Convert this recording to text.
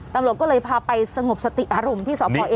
ตำรวจก็เลยพาไปสงบสติอารมณ์ที่สพเอ